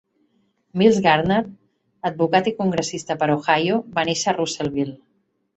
Mills Gardner, advocat i congressista per Ohio, va néixer a Russellville.